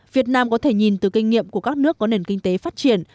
việt nam có thể nhìn từ kinh nghiệm của các nước có nền kinh tế phát triển